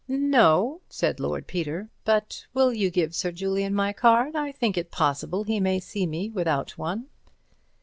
"No," said Lord Peter, "but will you give Sir Julian my card? I think it possible he may see me without one."